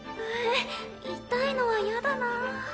え痛いのはやだなぁ。